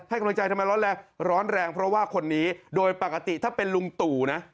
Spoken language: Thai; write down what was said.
กำลังใจทำไมร้อนแรงร้อนแรงเพราะว่าคนนี้โดยปกติถ้าเป็นลุงตู่นะ